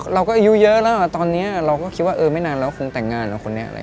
เราก็อายุเยอะแล้วตอนนี้เราก็คิดว่าเออไม่นานแล้วคงแต่งงานเหรอคนนี้อะไร